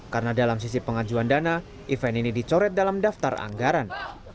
karena dalam sisi pengajuan dana event ini dicoret dalam daftar anggaran